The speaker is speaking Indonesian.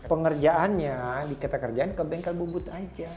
pengerjaannya diketah kerjaan ke bengkel bubut aja